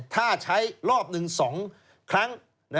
ถ้าใช้รอบหนึ่ง๒ครั้ง